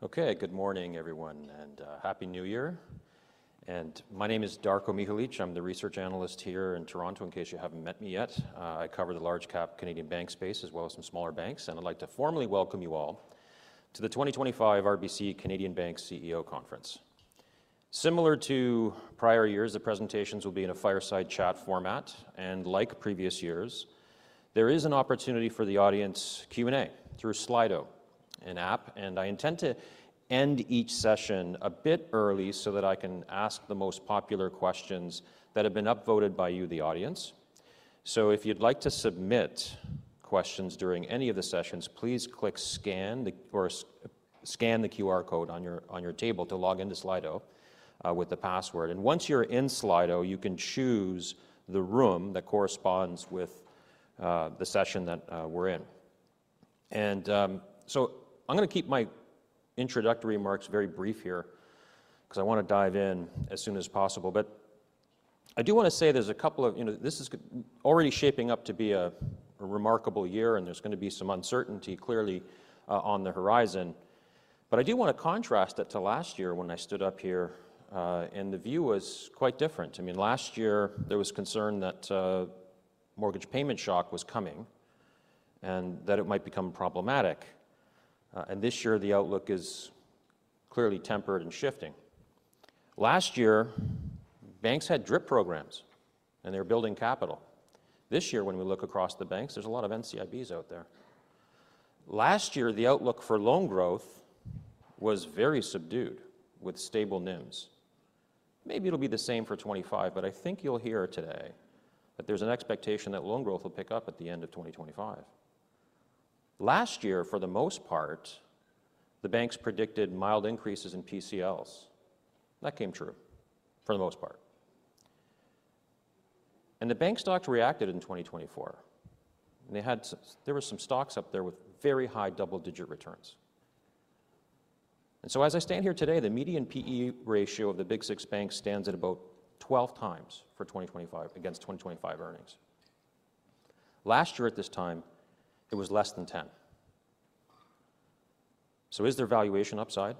Okay, good morning, everyone, and happy New Year. My name is Darko Mihelic. I'm the research analyst here in Toronto in case you haven't met me yet. I cover the large-cap Canadian bank space as well as some smaller banks, and I'd like to formally welcome you all to the 2025 RBC Canadian Bank CEO Conference. Similar to prior years, the presentations will be in a fireside chat format, and like previous years, there is an opportunity for the audience Q&A through Slido, an app, and I intend to end each session a bit early so that I can ask the most popular questions that have been upvoted by you, the audience. So if you'd like to submit questions during any of the sessions, please scan the QR code on your table to log into Slido with the password, and once you're in Slido, you can choose the room that corresponds with the session that we're in. So I'm going to keep my introductory remarks very brief here because I want to dive in as soon as possible, but I do want to say there's a couple of, you know, this is already shaping up to be a remarkable year, and there's going to be some uncertainty clearly on the horizon, but I do want to contrast that to last year when I stood up here, and the view was quite different. I mean, last year there was concern that mortgage payment shock was coming and that it might become problematic, and this year the outlook is clearly tempered and shifting. Last year, banks had drip programs, and they were building capital. This year, when we look across the banks, there's a lot of NCIBs out there. Last year, the outlook for loan growth was very subdued with stable NIMs. Maybe it'll be the same for 2025, but I think you'll hear today that there's an expectation that loan growth will pick up at the end of 2025. Last year, for the most part, the banks predicted mild increases in PCLs, and that came true for the most part, and the bank stocks reacted in 2024. There were some stocks up there with very high double-digit returns, and so as I stand here today, the median P/E ratio of the big six banks stands at about 12x for 2025 against 2025 earnings. Last year, at this time, it was less than 10. So is their valuation upside?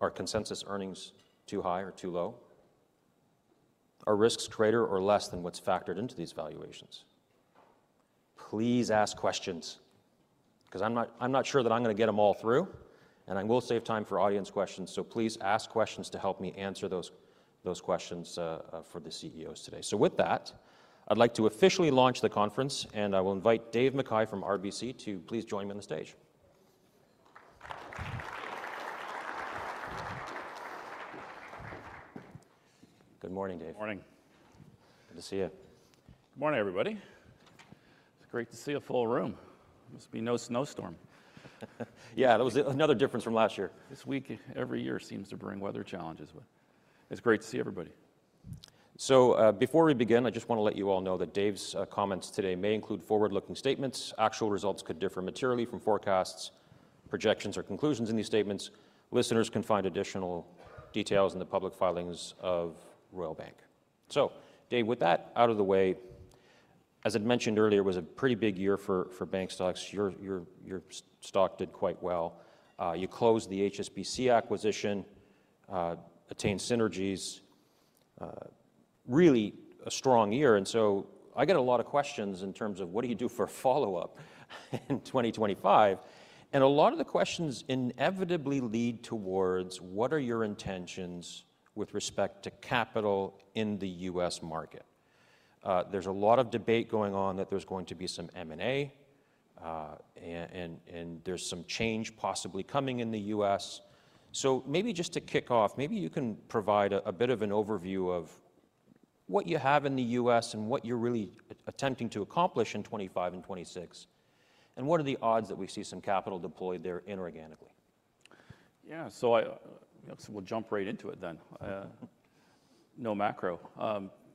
Are consensus earnings too high or too low? Are risks greater or less than what's factored into these valuations? Please ask questions because I'm not sure that I'm going to get them all through, and I will save time for audience questions, so please ask questions to help me answer those questions for the CEOs today. So with that, I'd like to officially launch the conference, and I will invite Dave McKay from RBC to please join me on the stage. Good morning, Dave. Good morning. Good to see you. Good morning, everybody. It's great to see a full room. Must be no snowstorm. Yeah, that was another difference from last year. This week, every year seems to bring weather challenges, but it's great to see everybody. So before we begin, I just want to let you all know that Dave's comments today may include forward-looking statements. Actual results could differ materially from forecasts, projections, or conclusions in these statements. Listeners can find additional details in the public filings of Royal Bank. So Dave, with that out of the way, as I'd mentioned earlier, it was a pretty big year for bank stocks. Your stock did quite well. You closed the HSBC acquisition, attained synergies, really a strong year, and so I get a lot of questions in terms of what do you do for follow-up in 2025, and a lot of the questions inevitably lead towards what are your intentions with respect to capital in the U.S. market. There's a lot of debate going on that there's going to be some M&A, and there's some change possibly coming in the U.S. Maybe just to kick off, maybe you can provide a bit of an overview of what you have in the U.S. and what you're really attempting to accomplish in 2025 and 2026, and what are the odds that we see some capital deployed there inorganically. Yeah, so we'll jump right into it then. No macro.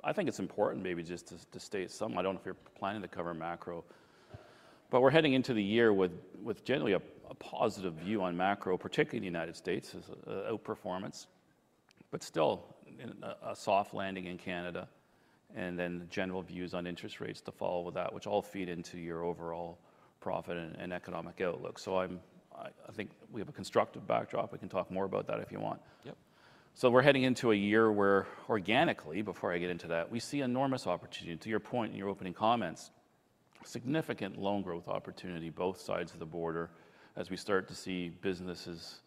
I think it's important maybe just to state something. I don't know if you're planning to cover macro, but we're heading into the year with generally a positive view on macro, particularly in the United States, outperformance, but still a soft landing in Canada, and then general views on interest rates to follow with that, which all feed into your overall profit and economic outlook. So I think we have a constructive backdrop. We can talk more about that if you want. Yep. So we're heading into a year where organically, before I get into that, we see enormous opportunity, to your point in your opening comments, significant loan growth opportunity both sides of the border as we start to see businesses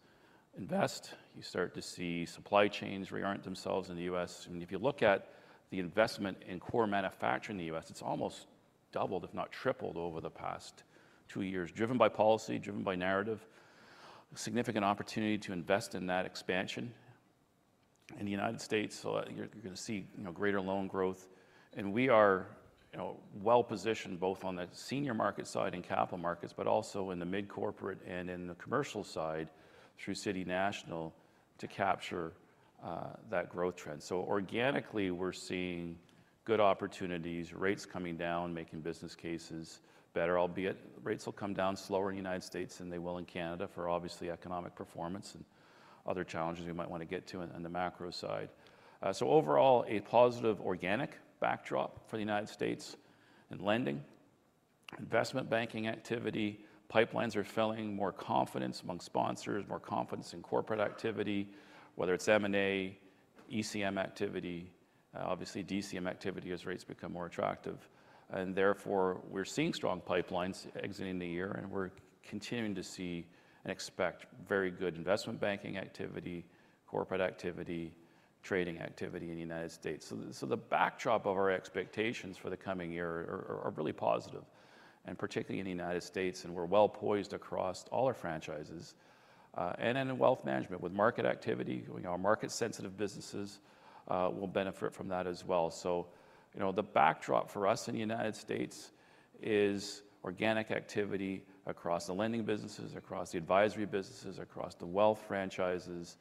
invest. You start to see supply chains reorient themselves in the U.S. I mean, if you look at the investment in core manufacturing in the U.S., it's almost doubled, if not tripled, over the past two years, driven by policy, driven by narrative. Significant opportunity to invest in that expansion in the United States, so you're going to see greater loan growth, and we are well-positioned both on the senior market side and capital markets, but also in the mid-corporate and in the commercial side through City National to capture that growth trend. So organically, we're seeing good opportunities, rates coming down, making business cases better, albeit rates will come down slower in the United States than they will in Canada for obviously economic performance and other challenges we might want to get to on the macro side. So overall, a positive organic backdrop for the United States in lending, investment banking activity, pipelines are filling, more confidence among sponsors, more confidence in corporate activity, whether it's M&A, ECM activity, obviously DCM activity as rates become more attractive, and therefore we're seeing strong pipelines exiting the year, and we're continuing to see and expect very good investment banking activity, corporate activity, trading activity in the United States. So the backdrop of our expectations for the coming year are really positive, and particularly in the United States, and we're well-poised across all our franchises, and in wealth management with market activity. Our market-sensitive businesses will benefit from that as well. So the backdrop for us in the United States is organic activity across the lending businesses, across the advisory businesses, across the wealth franchises,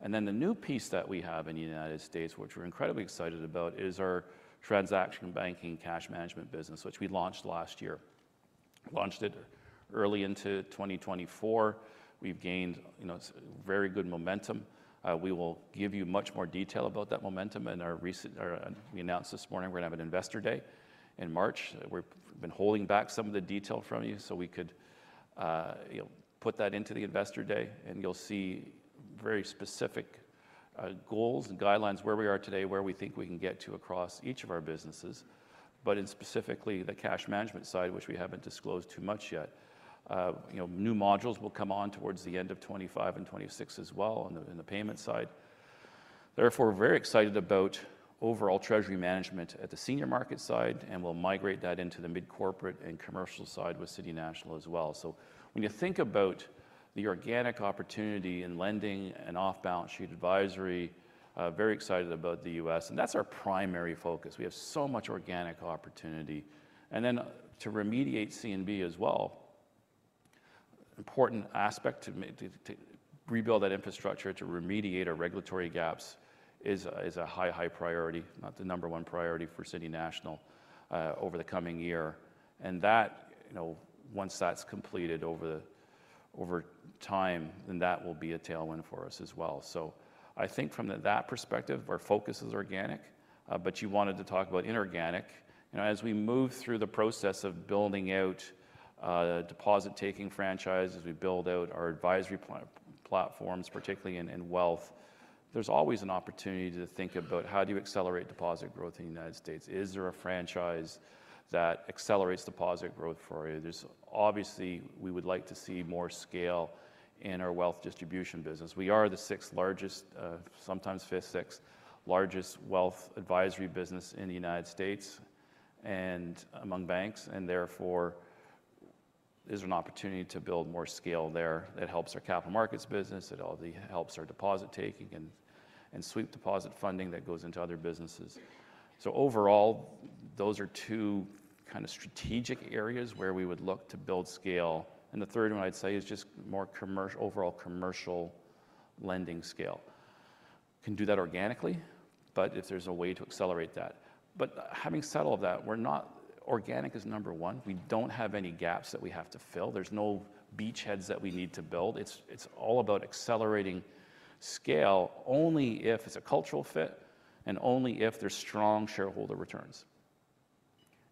and then the new piece that we have in the United States, which we're incredibly excited about, is our transaction banking cash management business, which we launched last year. We launched it early into 2024. We've gained very good momentum. We will give you much more detail about that momentum in our recent. We announced this morning we're going to have an investor day in March. We've been holding back some of the detail from you so we could put that into the investor day, and you'll see very specific goals and guidelines where we are today, where we think we can get to across each of our businesses, but in specifically the cash management side, which we haven't disclosed too much yet. New modules will come on towards the end of 2025 and 2026 as well on the payment side. Therefore, we're very excited about overall treasury management at the senior market side, and we'll migrate that into the mid-corporate and commercial side with City National as well. So when you think about the organic opportunity in lending and off-balance sheet advisory, very excited about the U.S., and that's our primary focus. We have so much organic opportunity, and then to remediate CNB as well. Important aspect to rebuild that infrastructure to remediate our regulatory gaps is a high, high priority, not the number one priority for City National over the coming year, and that, once that's completed over time, then that will be a tailwind for us as well. I think from that perspective, our focus is organic, but you wanted to talk about inorganic. As we move through the process of building out deposit-taking franchises, we build out our advisory platforms, particularly in wealth, there's always an opportunity to think about how do you accelerate deposit growth in the United States. Is there a franchise that accelerates deposit growth for you? There's obviously, we would like to see more scale in our wealth distribution business. We are the sixth largest, sometimes fifth, sixth largest wealth advisory business in the United States and among banks, and therefore there's an opportunity to build more scale there that helps our capital markets business, that helps our deposit-taking and sweep deposit funding that goes into other businesses. So overall, those are two kind of strategic areas where we would look to build scale, and the third one I'd say is just more overall commercial lending scale. We can do that organically, but if there's a way to accelerate that. But having said all that, we're not organic is number one. We don't have any gaps that we have to fill. There's no beachheads that we need to build. It's all about accelerating scale only if it's a cultural fit and only if there's strong shareholder returns.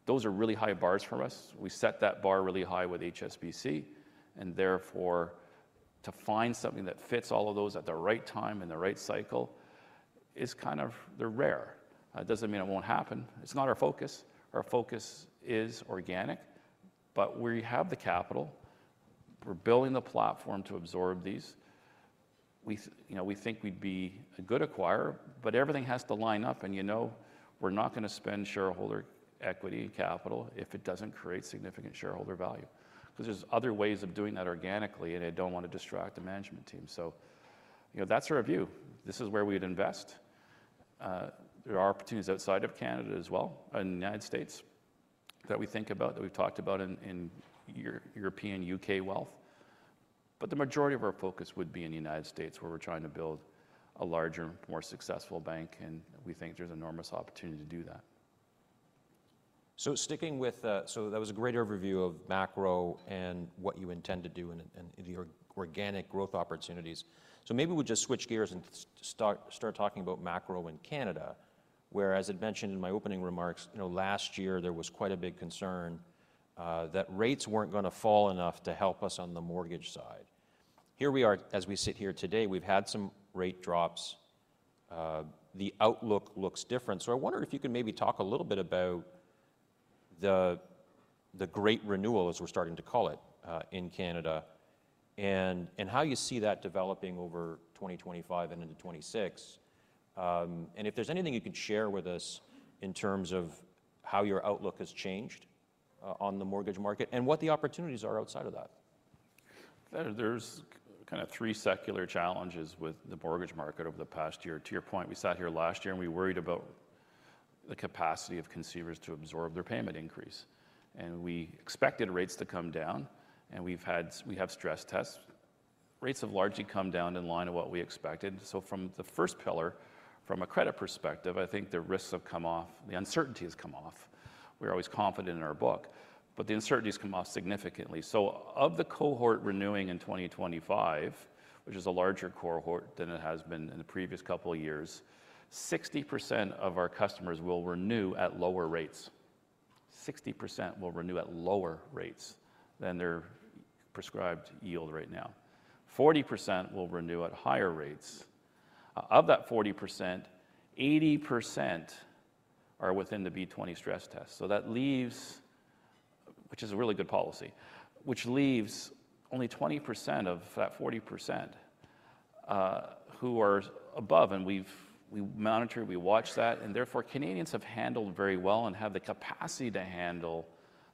Those are really high bars for us. We set that bar really high with HSBC, and therefore to find something that fits all of those at the right time and the right cycle is kind of, they're rare. It doesn't mean it won't happen. It's not our focus. Our focus is organic, but we have the capital. We're building the platform to absorb these. We think we'd be a good acquirer, but everything has to line up, and you know we're not going to spend shareholder equity capital if it doesn't create significant shareholder value because there's other ways of doing that organically, and I don't want to distract the management team. So that's our view. This is where we'd invest. There are opportunities outside of Canada as well, in the United States, that we think about, that we've talked about in Europe and U.K. wealth, but the majority of our focus would be in the United States where we're trying to build a larger, more successful bank, and we think there's enormous opportunity to do that. That was a great overview of macro and what you intend to do in the organic growth opportunities. Maybe we'll just switch gears and start talking about macro in Canada. As I'd mentioned in my opening remarks, last year there was quite a big concern that rates weren't going to fall enough to help us on the mortgage side. Here we are, as we sit here today. We've had some rate drops. The outlook looks different. I wonder if you could maybe talk a little bit about the Great Renewal, as we're starting to call it, in Canada and how you see that developing over 2025 and into 2026, and if there's anything you can share with us in terms of how your outlook has changed on the mortgage market and what the opportunities are outside of that. There's kind of three secular challenges with the mortgage market over the past year. To your point, we sat here last year and we worried about the capacity of consumers to absorb their payment increase, and we expected rates to come down, and we have stress tests. Rates have largely come down in line with what we expected. So from the first pillar, from a credit perspective, I think the risks have come off. The uncertainty has come off. We're always confident in our book, but the uncertainty has come off significantly. So of the cohort renewing in 2025, which is a larger cohort than it has been in the previous couple of years, 60% of our customers will renew at lower rates. 60% will renew at lower rates than their prescribed yield right now. 40% will renew at higher rates. Of that 40%, 80% are within the B-20 stress test. So that leaves, which is a really good policy, which leaves only 20% of that 40% who are above, and we monitor, we watch that, and therefore Canadians have handled very well and have the capacity to handle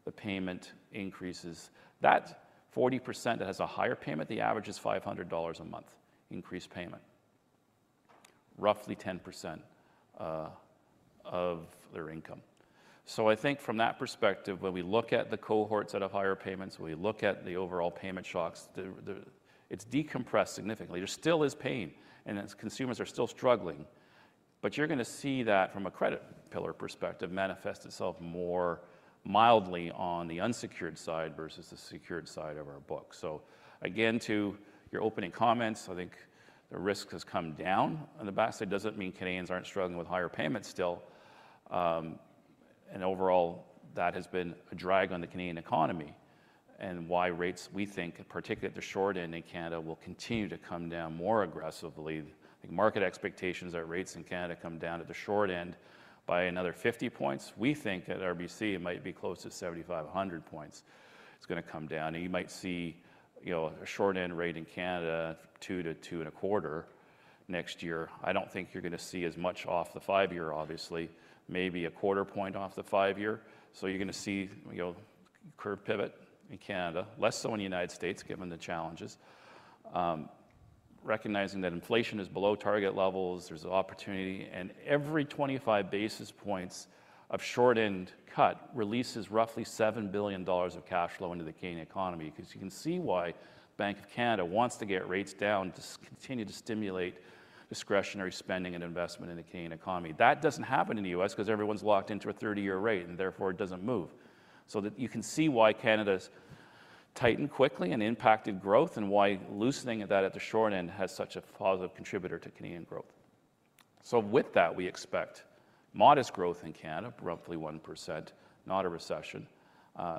the payment increases. That 40% that has a higher payment, the average is 500 dollars a month increased payment, roughly 10% of their income. So I think from that perspective, when we look at the cohorts that have higher payments, when we look at the overall payment shocks, it's decompressed significantly. There still is pain, and consumers are still struggling, but you're going to see that from a credit pillar perspective manifest itself more mildly on the unsecured side versus the secured side of our book. So again, to your opening comments, I think the risk has come down on the back side. It doesn't mean Canadians aren't struggling with higher payments still, and overall that has been a drag on the Canadian economy and why rates we think, particularly at the short end in Canada, will continue to come down more aggressively. I think market expectations are rates in Canada come down at the short end by another 50 points. We think at RBC it might be close to 7,500 points. It's going to come down, and you might see a short end rate in Canada two to two and a quarter next year. I don't think you're going to see as much off the five year, obviously, maybe a quarter point off the five year. So you're going to see a curve pivot in Canada, less so in the United States given the challenges, recognizing that inflation is below target levels. There's an opportunity, and every 25 basis points of short end cut releases roughly 7 billion dollars of cash flow into the Canadian economy because you can see why Bank of Canada wants to get rates down to continue to stimulate discretionary spending and investment in the Canadian economy. That doesn't happen in the U.S. because everyone's locked into a 30-year rate, and therefore it doesn't move. You can see why Canada's tightened quickly and impacted growth and why loosening of that at the short end has such a positive contributor to Canadian growth. With that, we expect modest growth in Canada, roughly 1%, not a recession,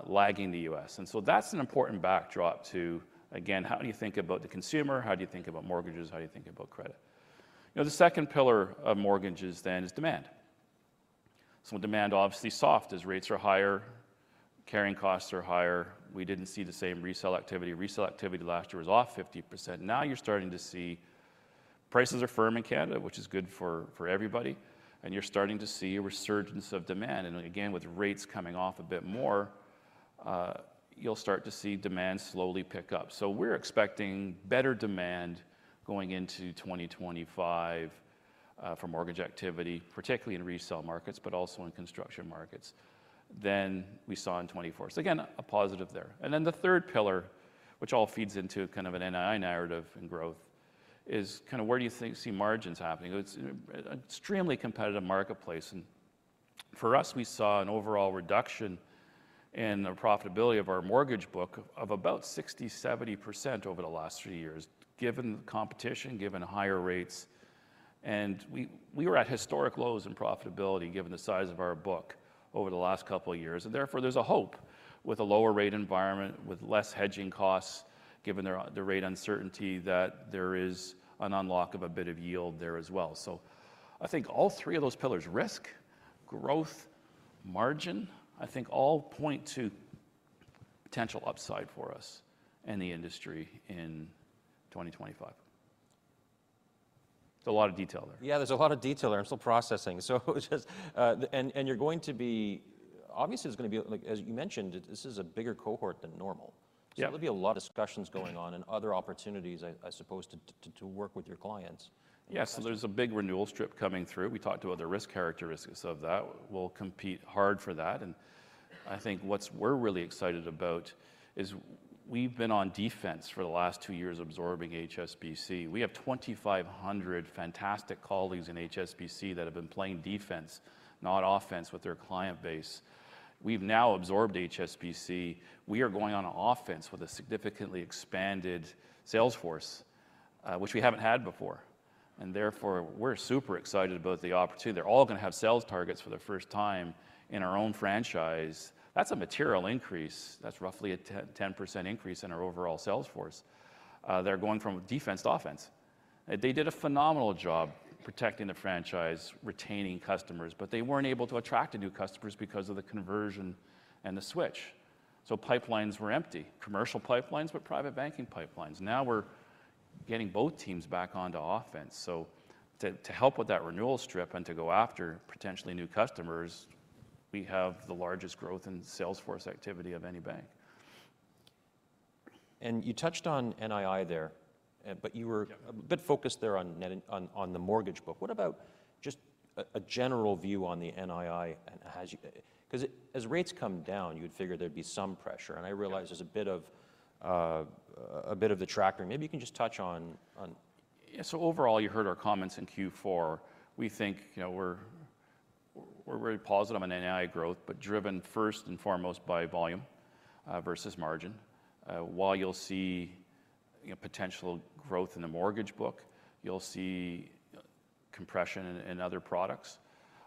lagging the U.S. That's an important backdrop to, again, how do you think about the consumer? How do you think about mortgages? How do you think about credit? The second pillar of mortgages then is demand. So demand obviously soft as rates are higher, carrying costs are higher. We didn't see the same resale activity. Resale activity last year was off 50%. Now you're starting to see prices are firm in Canada, which is good for everybody, and you're starting to see a resurgence of demand. And again, with rates coming off a bit more, you'll start to see demand slowly pick up. So we're expecting better demand going into 2025 for mortgage activity, particularly in resale markets, but also in construction markets than we saw in 2024. So again, a positive there. And then the third pillar, which all feeds into kind of an NII narrative and growth, is kind of where do you see margins happening? It's an extremely competitive marketplace. And for us, we saw an overall reduction in the profitability of our mortgage book of about 60%-70% over the last three years, given the competition, given higher rates, and we were at historic lows in profitability given the size of our book over the last couple of years, and therefore, there's a hope with a lower rate environment, with less hedging costs, given the rate uncertainty that there is an unlock of a bit of yield there as well, so I think all three of those pillars, risk, growth, margin, I think all point to potential upside for us in the industry in 2025. There's a lot of detail there. Yeah, there's a lot of detail there. I'm still processing, and you're going to be, obviously, there's going to be, as you mentioned, this is a bigger cohort than normal, so there'll be a lot of discussions going on and other opportunities, I suppose, to work with your clients. Yes, there's a big renewal strip coming through. We talked to other risk characteristics of that. We'll compete hard for that, and I think what we're really excited about is we've been on defense for the last two years absorbing HSBC. We have 2,500 fantastic colleagues in HSBC that have been playing defense, not offense, with their client base. We've now absorbed HSBC. We are going on offense with a significantly expanded sales force, which we haven't had before, and therefore, we're super excited about the opportunity. They're all going to have sales targets for the first time in our own franchise. That's a material increase. That's roughly a 10% increase in our overall sales force. They're going from defense to offense. They did a phenomenal job protecting the franchise, retaining customers, but they weren't able to attract new customers because of the conversion and the switch. So, pipelines were empty, commercial pipelines, but private banking pipelines. Now we're getting both teams back onto offense. So, to help with that renewal strip and to go after potentially new customers, we have the largest growth in sales force activity of any bank. And you touched on NII there, but you were a bit focused there on the mortgage book. What about just a general view on the NII? Because as rates come down, you'd figure there'd be some pressure. And I realize there's a bit of the Deposit Tractors. Maybe you can just touch on. Yeah, so overall, you heard our comments in Q4. We think we're very positive on NII growth, but driven first and foremost by volume versus margin. While you'll see potential growth in the mortgage book, you'll see compression in other products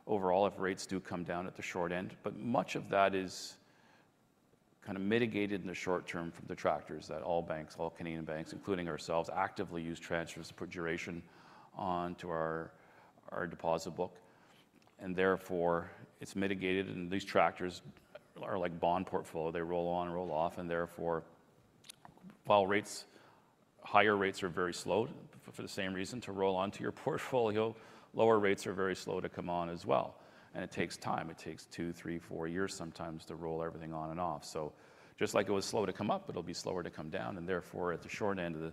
overall if rates do come down at the short end, but much of that is kind of mitigated in the short term from the tractors that all banks, all Canadian banks, including ourselves, actively use transfers to put duration onto our deposit book, and therefore it's mitigated, and these tractors are like bond portfolio. They roll on, roll off, and therefore while rates, higher rates are very slow for the same reason to roll onto your portfolio, lower rates are very slow to come on as well, and it takes time. It takes two, three, four years sometimes to roll everything on and off. So just like it was slow to come up, it'll be slower to come down. And therefore, at the short end of the,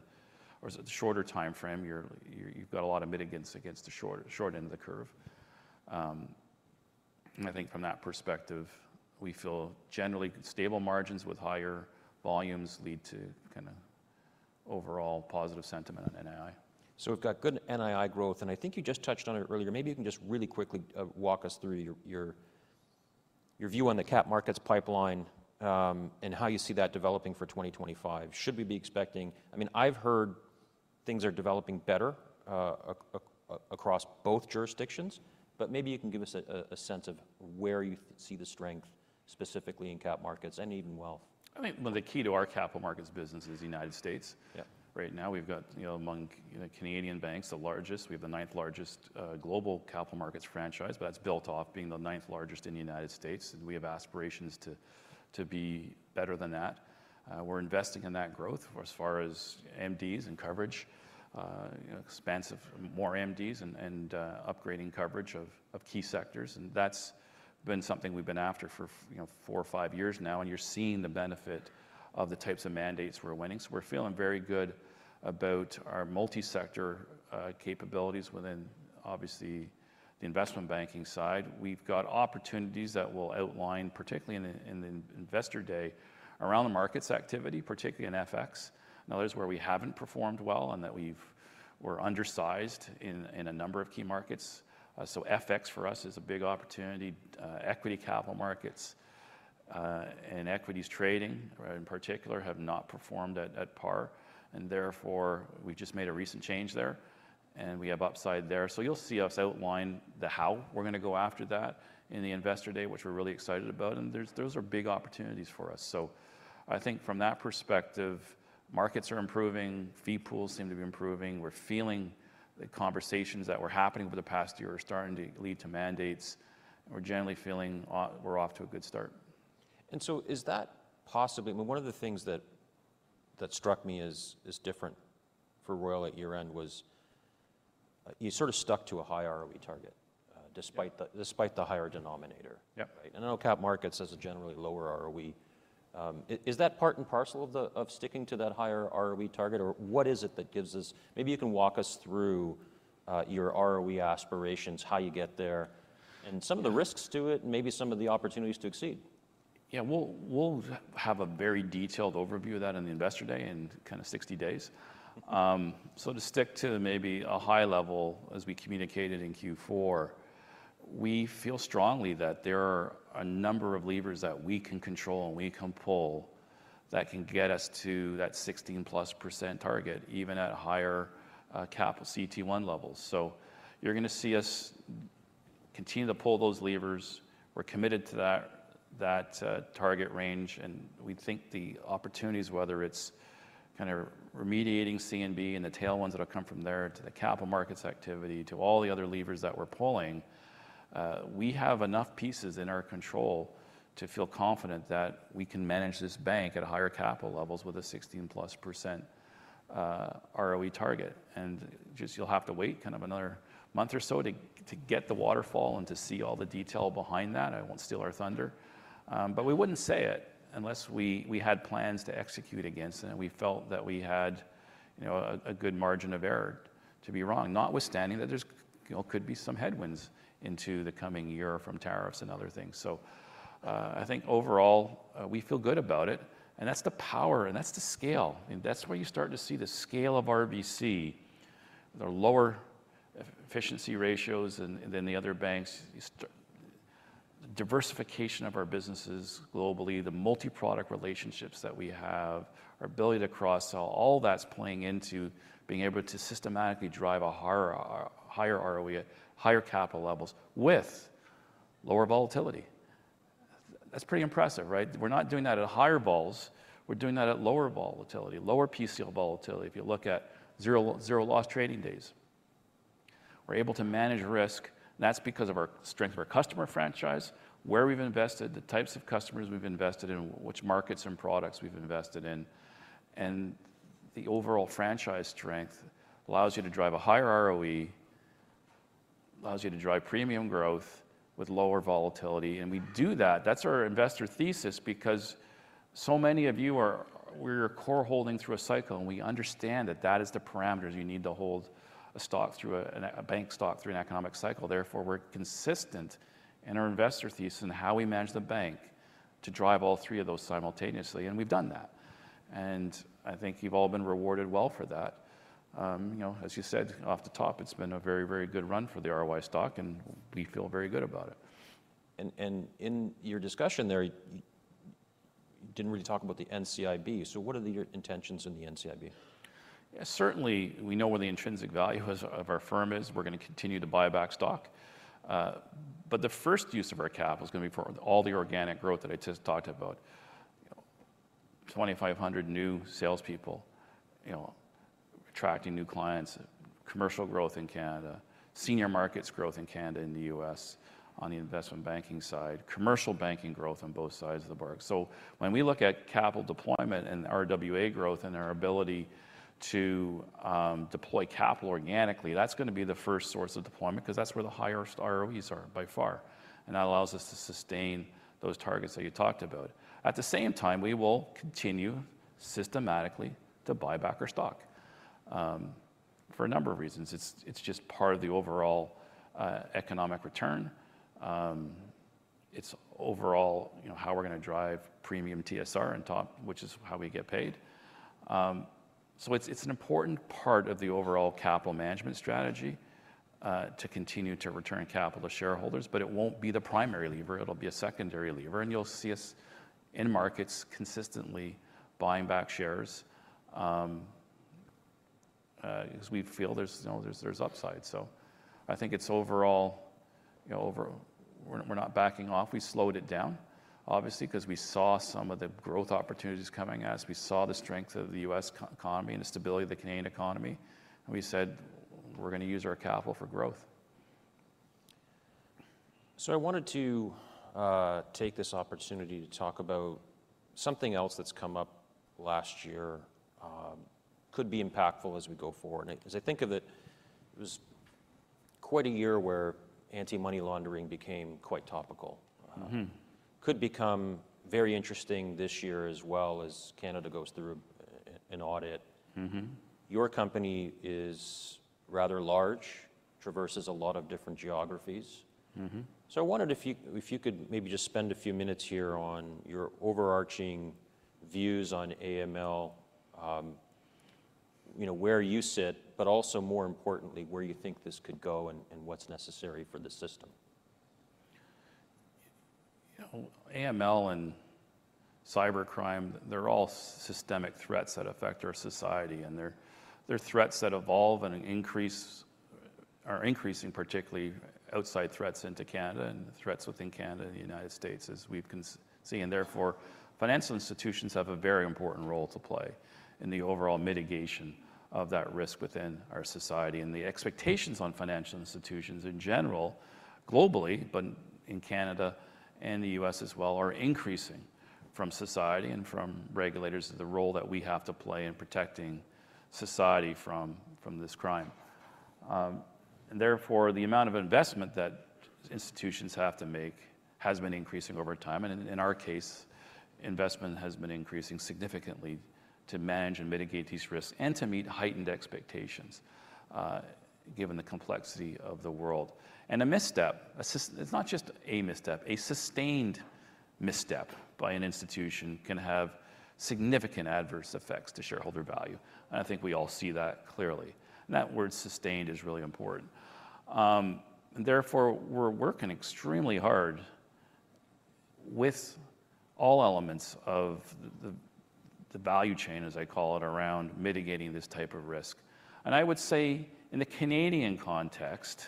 or the shorter timeframe, you've got a lot of mitigants against the short end of the curve. I think from that perspective, we feel generally stable margins with higher volumes lead to kind of overall positive sentiment on NII. So we've got good NII growth, and I think you just touched on it earlier. Maybe you can just really quickly walk us through your view on the capital markets pipeline and how you see that developing for 2025. Should we be expecting? I mean, I've heard things are developing better across both jurisdictions, but maybe you can give us a sense of where you see the strength specifically in capital markets and even wealth. I mean, the key to our capital markets business is the United States. Right now, we've got among Canadian banks the largest. We have the ninth largest global capital markets franchise, but that's built off being the ninth largest in the United States. And we have aspirations to be better than that. We're investing in that growth as far as MDs and coverage, expanding more MDs and upgrading coverage of key sectors. And that's been something we've been after for four or five years now, and you're seeing the benefit of the types of mandates we're winning. So we're feeling very good about our multi-sector capabilities within, obviously, the investment banking side. We've got opportunities that we'll outline, particularly in the investor day, around the markets activity, particularly in FX. Now, there's where we haven't performed well and that we were undersized in a number of key markets. So FX for us is a big opportunity. Equity capital markets and equities trading in particular have not performed at par. And therefore, we've just made a recent change there, and we have upside there. So you'll see us outline the how we're going to go after that in the investor day, which we're really excited about. And those are big opportunities for us. So I think from that perspective, markets are improving. Fee pools seem to be improving. We're feeling the conversations that were happening over the past year are starting to lead to mandates. We're generally feeling we're off to a good start. And so, is that possibly, I mean, one of the things that struck me as different for Royal at year-end was you sort of stuck to a high ROE target despite the higher denominator. And I know cap markets has a generally lower ROE. Is that part and parcel of sticking to that higher ROE target, or what is it that gives us? Maybe you can walk us through your ROE aspirations, how you get there, and some of the risks to it, and maybe some of the opportunities to exceed? Yeah, we'll have a very detailed overview of that in the investor day in kind of 60 days. So to stick to maybe a high level as we communicated in Q4, we feel strongly that there are a number of levers that we can control and we can pull that can get us to that 16% target, even at higher capital CT1 levels. So you're going to see us continue to pull those levers. We're committed to that target range, and we think the opportunities, whether it's kind of remediating CNB and the tailwinds that will come from there to the capital markets activity to all the other levers that we're pulling, we have enough pieces in our control to feel confident that we can manage this bank at higher capital levels with a 16% ROE target. And just you'll have to wait kind of another month or so to get the waterfall and to see all the detail behind that. I won't steal our thunder, but we wouldn't say it unless we had plans to execute against it, and we felt that we had a good margin of error to be wrong, notwithstanding that there could be some headwinds into the coming year from tariffs and other things. So I think overall we feel good about it, and that's the power, and that's the scale. That's where you start to see the scale of RBC. There are lower efficiency ratios than the other banks. Diversification of our businesses globally, the multi-product relationships that we have, our ability to cross-sell, all that's playing into being able to systematically drive a higher ROE at higher capital levels with lower volatility. That's pretty impressive, right? We're not doing that at higher vols. We're doing that at lower volatility, lower PCL volatility if you look at zero loss trading days. We're able to manage risk, and that's because of our strength of our customer franchise, where we've invested, the types of customers we've invested in, which markets and products we've invested in, and the overall franchise strength allows you to drive a higher ROE, allows you to drive premium growth with lower volatility, and we do that. That's our investor thesis because so many of you are, we're your core holding through a cycle, and we understand that that is the parameters you need to hold a stock through a bank stock through an economic cycle. Therefore, we're consistent in our investor thesis and how we manage the bank to drive all three of those simultaneously, and we've done that. And I think you've all been rewarded well for that. As you said off the top, it's been a very, very good run for the RY stock, and we feel very good about it. In your discussion there, you didn't really talk about the NCIB. What are your intentions in the NCIB? Certainly, we know where the intrinsic value of our firm is. We're going to continue to buy back stock. But the first use of our capital is going to be for all the organic growth that I just talked about, 2,500 new salespeople attracting new clients, commercial growth in Canada, senior markets growth in Canada and the US on the investment banking side, commercial banking growth on both sides of the border. So when we look at capital deployment and RWA growth and our ability to deploy capital organically, that's going to be the first source of deployment because that's where the highest ROEs are by far. And that allows us to sustain those targets that you talked about. At the same time, we will continue systematically to buy back our stock for a number of reasons. It's just part of the overall economic return. It's overall how we're going to drive premium TSR and top, which is how we get paid. So it's an important part of the overall capital management strategy to continue to return capital to shareholders, but it won't be the primary lever. It'll be a secondary lever. And you'll see us in markets consistently buying back shares because we feel there's upside. So I think it's overall, we're not backing off. We slowed it down, obviously, because we saw some of the growth opportunities coming as we saw the strength of the U.S. economy and the stability of the Canadian economy. And we said, we're going to use our capital for growth. So I wanted to take this opportunity to talk about something else that's come up last year, could be impactful as we go forward. As I think of it, it was quite a year where anti-money laundering became quite topical. It could become very interesting this year as well as Canada goes through an audit. Your company is rather large, traverses a lot of different geographies. So I wondered if you could maybe just spend a few minutes here on your overarching views on AML, where you sit, but also more importantly, where you think this could go and what's necessary for the system. AML and cybercrime, they're all systemic threats that affect our society. And they're threats that evolve and increase, are increasing particularly outside threats into Canada and threats within Canada and the United States, as we've been seeing. And therefore, financial institutions have a very important role to play in the overall mitigation of that risk within our society. And the expectations on financial institutions in general, globally, but in Canada and the U.S. as well, are increasing from society and from regulators to the role that we have to play in protecting society from this crime. And therefore, the amount of investment that institutions have to make has been increasing over time. And in our case, investment has been increasing significantly to manage and mitigate these risks and to meet heightened expectations given the complexity of the world. And a misstep, it's not just a misstep, a sustained misstep by an institution can have significant adverse effects to shareholder value. And I think we all see that clearly. And that word sustained is really important. And therefore, we're working extremely hard with all elements of the value chain, as I call it, around mitigating this type of risk. And I would say in the Canadian context,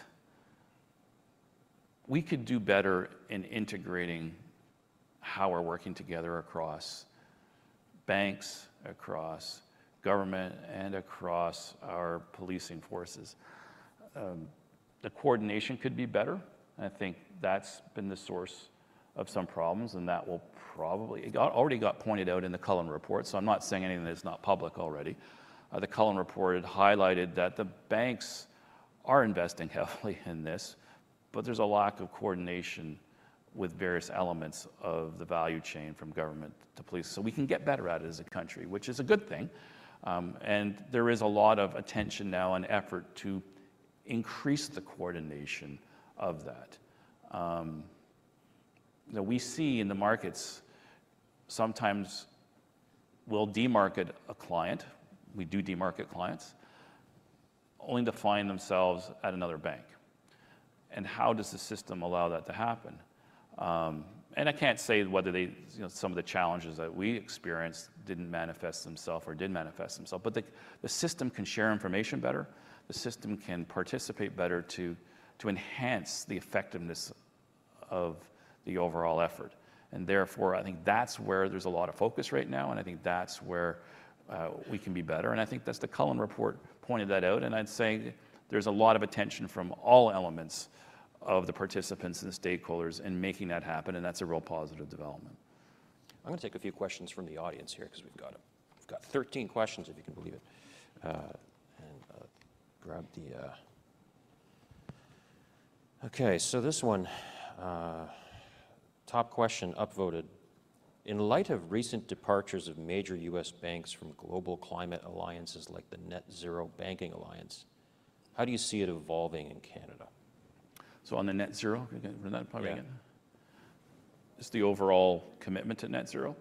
we could do better in integrating how we're working together across banks, across government, and across our policing forces. The coordination could be better. I think that's been the source of some problems, and that will probably. It already got pointed out in the Cullen Report, so I'm not saying anything that's not public already. The Cullen Report highlighted that the banks are investing heavily in this, but there's a lack of coordination with various elements of the value chain from government to police, so we can get better at it as a country, which is a good thing, and there is a lot of attention now and effort to increase the coordination of that. We see in the markets sometimes we'll demarket a client. We do demarket clients only to find themselves at another bank, and how does the system allow that to happen, and I can't say whether some of the challenges that we experienced didn't manifest themselves or did manifest themselves, but the system can share information better. The system can participate better to enhance the effectiveness of the overall effort. And therefore, I think that's where there's a lot of focus right now, and I think that's where we can be better. And I think that's the Cullen Report pointed that out. And I'd say there's a lot of attention from all elements of the participants and stakeholders in making that happen, and that's a real positive development. I'm going to take a few questions from the audience here because we've got 13 questions, if you can believe it. Okay, so this one, top question upvoted. In light of recent departures of major U.S. banks from global climate alliances like the Net Zero Banking Alliance, how do you see it evolving in Canada? So on the Net Zero, can we get that part again? Yeah. Is the overall commitment to Net Zero?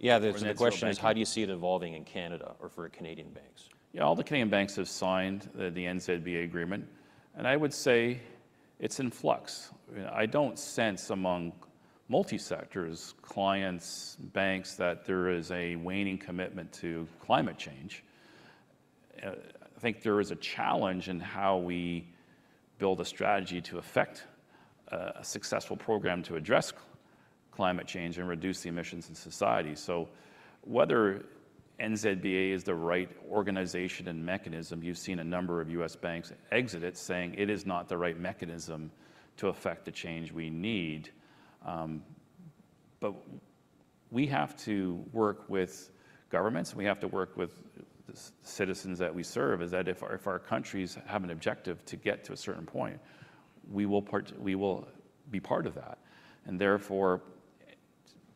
Yeah, the question is how do you see it evolving in Canada or for Canadian banks? Yeah, all the Canadian banks have signed the NZBA agreement. And I would say it's in flux. I don't sense among multi-sectors, clients, banks that there is a waning commitment to climate change. I think there is a challenge in how we build a strategy to affect a successful program to address climate change and reduce the emissions in society. So whether NZBA is the right organization and mechanism, you've seen a number of US banks exit it saying it is not the right mechanism to affect the change we need. But we have to work with governments. We have to work with the citizens that we serve. That is, if our countries have an objective to get to a certain point, we will be part of that. And therefore,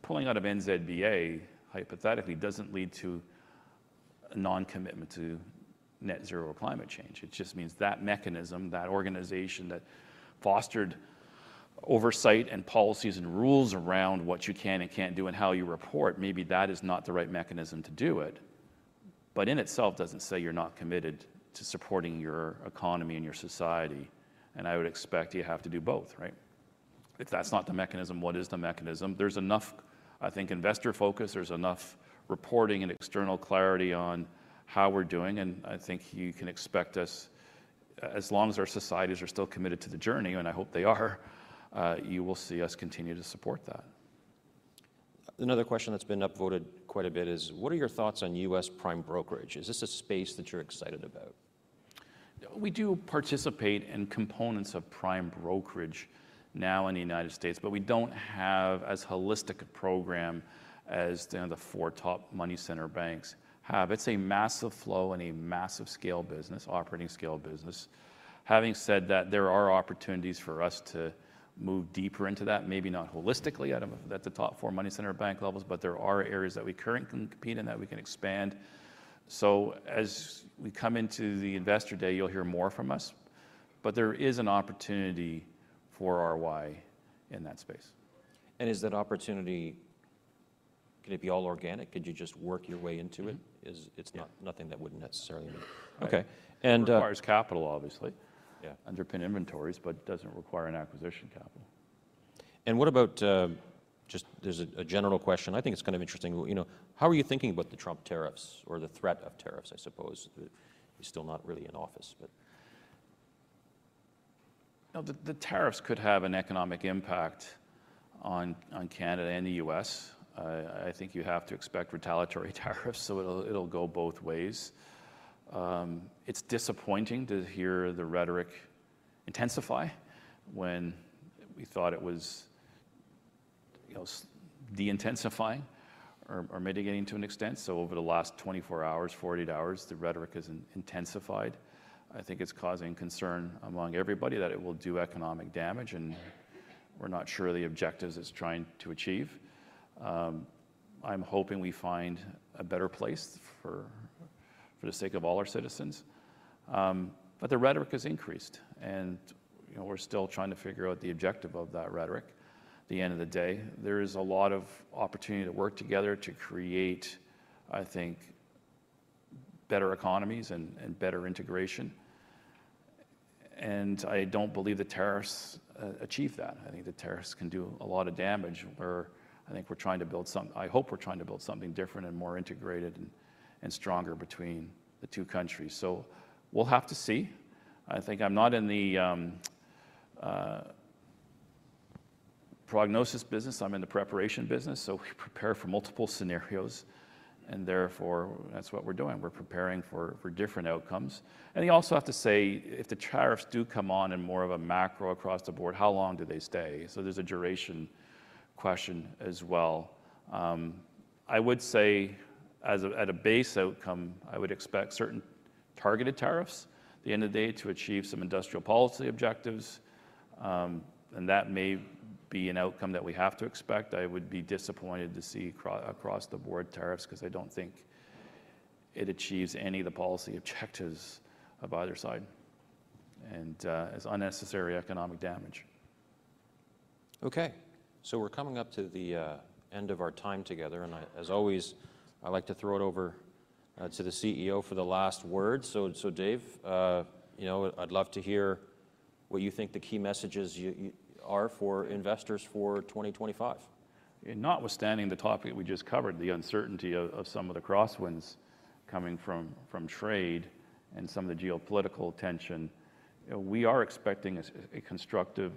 pulling out of NZBA hypothetically doesn't lead to a non-commitment to Net Zero or climate change. It just means that mechanism, that organization that fostered oversight and policies and rules around what you can and can't do and how you report, maybe that is not the right mechanism to do it. But in itself, doesn't say you're not committed to supporting your economy and your society. And I would expect you have to do both, right? If that's not the mechanism, what is the mechanism? There's enough, I think, investor focus. There's enough reporting and external clarity on how we're doing. And I think you can expect us, as long as our societies are still committed to the journey, and I hope they are, you will see us continue to support that. Another question that's been upvoted quite a bit is what are your thoughts on U.S. prime brokerage? Is this a space that you're excited about? We do participate in components of prime brokerage now in the United States, but we don't have as holistic a program as the four top money center banks have. It's a massive flow and a massive scale business, operating scale business. Having said that, there are opportunities for us to move deeper into that, maybe not holistically. I don't know if that's the top four money center bank levels, but there are areas that we currently can compete in that we can expand. So as we come into the investor day, you'll hear more from us. But there is an opportunity for ROI in that space. And is that opportunity, can it be all organic? Could you just work your way into it? It's nothing that would necessarily need. Requires capital, obviously, underpin inventories, but doesn't require an acquisition capital. What about just, there's a general question. I think it's kind of interesting. How are you thinking about the Trump tariffs or the threat of tariffs, I suppose? He's still not really in office, but. The tariffs could have an economic impact on Canada and the U.S. I think you have to expect retaliatory tariffs, so it'll go both ways. It's disappointing to hear the rhetoric intensify when we thought it was de-intensifying or mitigating to an extent. So over the last 24 hours, 48 hours, the rhetoric has intensified. I think it's causing concern among everybody that it will do economic damage, and we're not sure the objectives it's trying to achieve. I'm hoping we find a better place for the sake of all our citizens. But the rhetoric has increased, and we're still trying to figure out the objective of that rhetoric. At the end of the day, there is a lot of opportunity to work together to create, I think, better economies and better integration. And I don't believe the tariffs achieve that. I think the tariffs can do a lot of damage where I think we're trying to build something. I hope we're trying to build something different and more integrated and stronger between the two countries. So we'll have to see. I think I'm not in the prognosis business. I'm in the preparation business. So we prepare for multiple scenarios. And therefore, that's what we're doing. We're preparing for different outcomes. And you also have to say, if the tariffs do come on in more of a macro across the board, how long do they stay? So there's a duration question as well. I would say, as a base outcome, I would expect certain targeted tariffs at the end of the day to achieve some industrial policy objectives. And that may be an outcome that we have to expect. I would be disappointed to see across the board tariffs because I don't think it achieves any of the policy objectives of either side and is unnecessary economic damage. Okay. So we're coming up to the end of our time together. And as always, I like to throw it over to the CEO for the last word. So Dave, I'd love to hear what you think the key messages are for investors for 2025. Notwithstanding the topic we just covered, the uncertainty of some of the crosswinds coming from trade and some of the geopolitical tension. We are expecting a constructive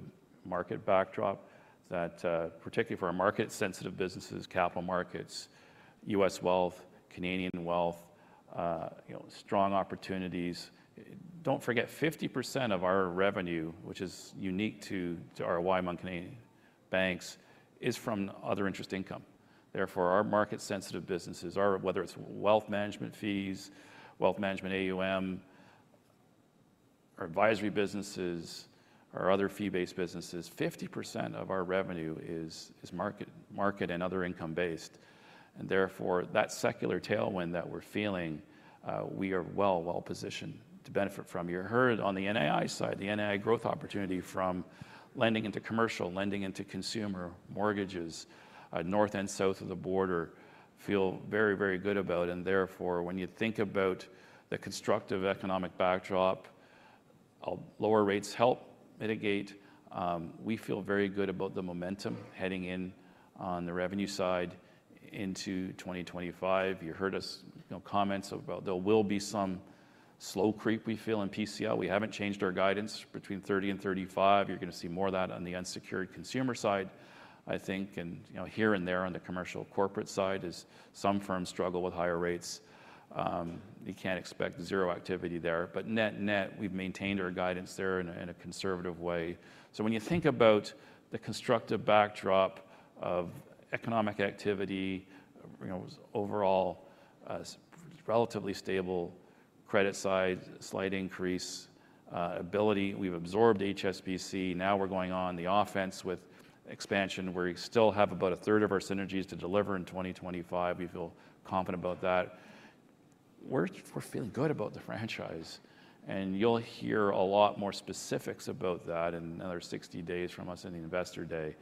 market backdrop that, particularly for our market-sensitive businesses, capital markets, U.S. wealth, Canadian wealth, strong opportunities. Don't forget, 50% of our revenue, which is unique to RBC among Canadian banks, is from non-interest income. Therefore, our market-sensitive businesses, whether it's wealth management fees, wealth management AUM, our advisory businesses, or other fee-based businesses, 50% of our revenue is market and non-interest income-based. And therefore, that secular tailwind that we're feeling, we are well, well positioned to benefit from. You heard on the NAI side, the NAI growth opportunity from lending into commercial, lending into consumer mortgages, north and south of the border. We feel very, very good about. And therefore, when you think about the constructive economic backdrop, lower rates help mitigate. We feel very good about the momentum heading in on the revenue side into 2025. You heard our comments about there will be some slow creep, we feel, in PCL. We haven't changed our guidance between 30 and 35. You're going to see more of that on the unsecured consumer side, I think, and here and there on the commercial corporate side is some firms struggle with higher rates. You can't expect zero activity there, but net net, we've maintained our guidance there in a conservative way, so when you think about the constructive backdrop of economic activity overall, relatively stable credit side, slight increase ability. We've absorbed HSBC. Now we're going on the offense with expansion. We still have about a third of our synergies to deliver in 2025. We feel confident about that. We're feeling good about the franchise. You'll hear a lot more specifics about that in another 60 days from us in the Investor Day.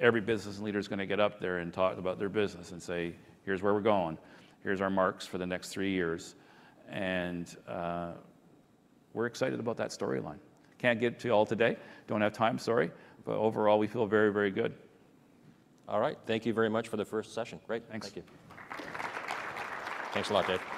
Every business leader is going to get up there and talk about their business and say, "Here's where we're going. Here's our marks for the next three years." We're excited about that storyline. Can't get to all today. Don't have time, sorry. Overall, we feel very, very good. All right. Thank you very much for the first session. Great. Thank you. Thanks a lot, Dave. Sure.